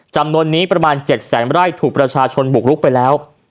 จำนวนนี้ประมาณ๗แสนไร่ถูกประชาชนบุกลุกไปแล้ว